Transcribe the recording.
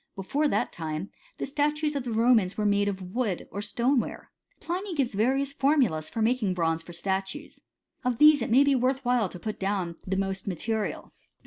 Before that time, the statues of the Romans were made of wood or stoneware. Pliny gives various formulas for making bronze for statues. Of these it may be worth while to put down the most material.